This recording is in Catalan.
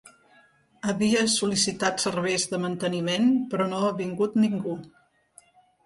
Havia sol·licitat serveis de manteniment, però no ha vingut ningú.